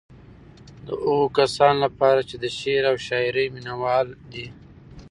د هغو کسانو لپاره چې د شعر او شاعرۍ مينوال دي.